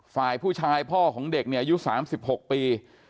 ฝ่ายผู้ชายพ่อของเด็กเนี่ยอายุ๓๖ปี